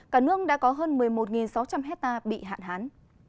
cả nước đã có hơn một mươi một sáu trăm linh hectare bị hạn hán